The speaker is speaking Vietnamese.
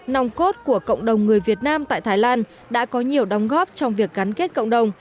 nòng cốt của cộng đồng người việt nam tại thái lan đã có nhiều đóng góp trong việc gắn kết cộng đồng